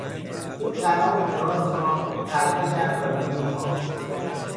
او طناب دراز را حلقه کرد و به میخ آویخت.